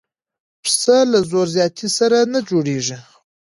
پسه له زور زیاتي سره نه جوړېږي.